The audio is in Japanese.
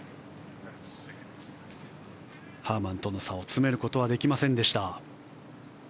ハーマンとの差を詰めることはできませんでした。